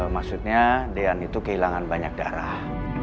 maksudnya dean itu kehilangan banyak darah